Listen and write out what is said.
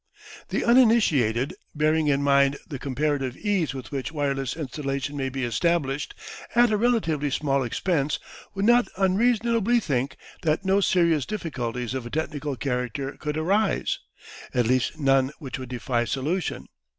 The uninitiated, bearing in mind the comparative ease with which wireless installations may be established at a relatively small expense, would not unreasonably think that no serious difficulties of a technical character could arise: at least none which would defy solution.